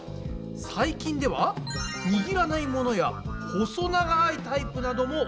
最近ではにぎらないものや細長いタイプなども話題に。